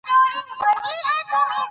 دښتې د ماشومانو د لوبو موضوع ده.